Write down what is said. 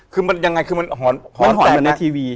คือมันยังไงคือมันหอน